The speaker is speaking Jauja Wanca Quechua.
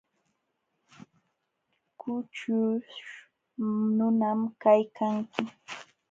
Kućhuśh nunam kaykanki.